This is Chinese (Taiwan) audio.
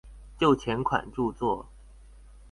就前款著作